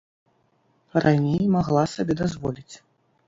Раней магла сабе дазволіць.